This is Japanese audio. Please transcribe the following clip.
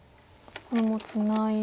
これもツナいで。